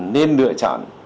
nên lựa chọn